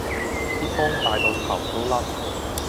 啲風大到頭都甩